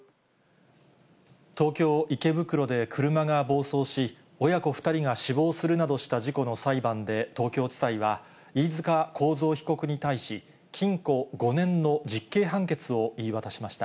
東京・池袋で車が暴走し、親子２人が死亡するなどした事故の裁判で東京地裁は、飯塚幸三被告に対し、禁錮５年の実刑判決を言い渡しました。